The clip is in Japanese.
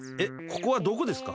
ここはどこですか？